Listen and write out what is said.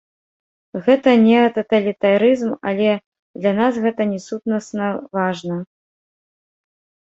Гэта неататалітарызм, але для нас гэта не сутнасна важна.